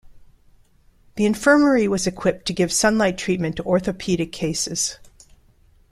The infirmary was equipped to give sunlight treatment to orthopaedic cases.